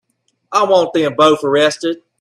I want them both arrested.